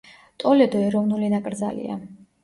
ტოლედო ეროვნული ნაკრძალია.